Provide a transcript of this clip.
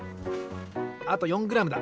あと４グラムだ。